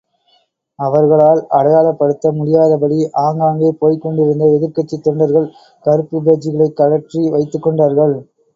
அவர்களால் அடையாளப்படுத்த முடியாதபடி, ஆங்காங்கே போய்க் கொண்டிருந்த எதிர்க்கட்சித் தொண்டர்கள், கறுப்பு பேட்ஜ்களை கழற்றி வைத்துக் கொண்டார்கள்.